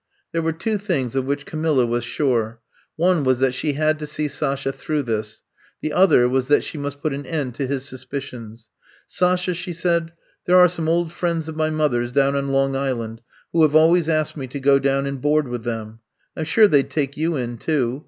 There were two things of which Camilla was sure. One was that she had to see Sasha through this ; the other was that she must put an end to his suspicions. *^ Sasha,'' she said, there are some old friends of my mother's down on Long Is land who have always asked me to go down and board with them. I 'm sure they 'd take you in, too.